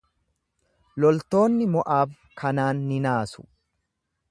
Loltoonni Mo’aab kanaan ni naasu.